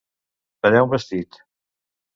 Tallar un vestit.